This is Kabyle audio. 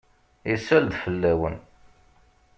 Isal-d fell-awent.